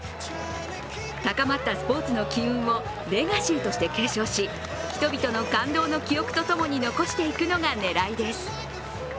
高まったスポーツの機運をレガシーとして継承し人々の感動の記憶とともに残していくのが狙いです。